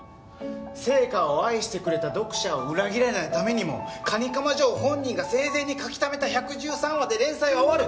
『ＳＥＩＫＡ』を愛してくれた読者を裏切らないためにも蟹釜ジョー本人が生前に描きためた１１３話で連載が終わる。